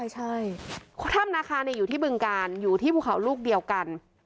ใช่ถ้ำนาคาอยู่ที่บึงการอยู่ที่ภูเขาลูกเดียวกัน